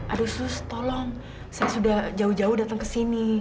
aduh sus tolong saya sudah jauh jauh datang kesini